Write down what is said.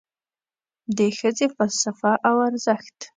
د ښځې فلسفه او ارزښت